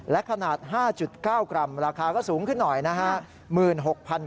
และขนาด๕๙กรัมราคาก็สูงขึ้นหน่อยนะฮะ